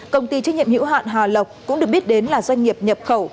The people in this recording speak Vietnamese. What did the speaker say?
công ty trách nhiệm hữu hạn hà lộc cũng được biết đến là doanh nghiệp nhập khẩu